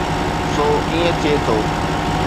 سو ائين ٿئي ٿو.